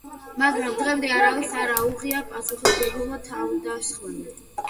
მაგრამ დღემდე არავის არ აუღია პასუხისმგებლობა თავდასხმაზე.